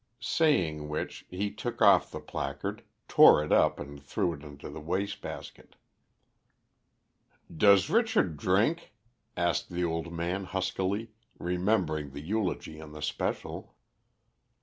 Saying which, he took off the placard, tore it up, and threw it into the waste basket. "Does Richard drink?" asked the old man huskily, remembering the eulogy on the Special.